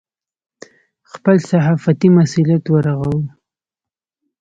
خپل صحافتي مسوولیت ورغوو.